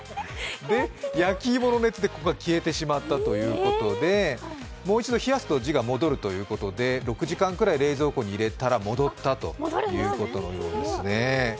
焼き芋の熱でここが消えてしまったということで、もう一度冷やすと字が戻るということで、６時間くらい冷蔵庫に入れたら戻ったということのようです。